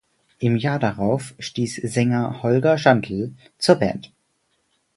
Im Jahr darauf stieß Sänger Holger Schantl zur Band.